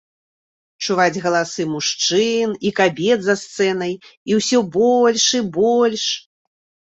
Чуваць галасы мужчын і кабет за сцэнай, і ўсё больш і больш.